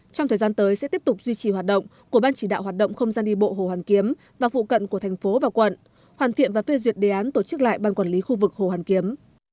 trong thời gian tới sẽ tiếp tục duy trì hoạt động của ban chỉ đạo hoạt động không gian đi bộ hồ hoàn kiếm và phụ cận của thành phố và quận hoàn thiện và phê duyệt đề án tổ chức lại ban quản lý khu vực hồ hoàn kiếm